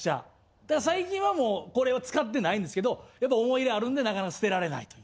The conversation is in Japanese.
だから最近はもうこれは使ってないんですけどやっぱ思い入れあるんでなかなか捨てられないという。